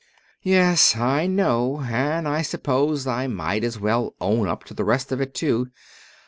"Yes, I know. And I suppose I might as well own up to the rest of it too.